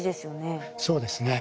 そうですね。